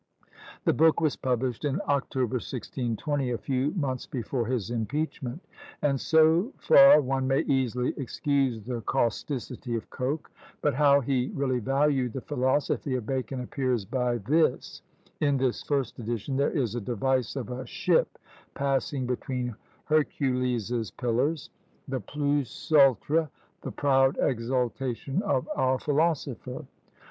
The book was published in October, 1620, a few months before his impeachment. And so far one may easily excuse the causticity of Coke; but how he really valued the philosophy of Bacon appears by this: in this first edition there is a device of a ship passing between Hercules's pillars; the plus ultra, the proud exultation of our philosopher.